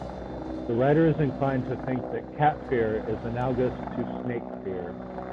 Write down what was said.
The writer is inclined to think that cat-fear is analogous to snake-fear.